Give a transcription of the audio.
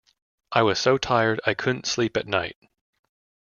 I was so tired I couldn’t sleep at night.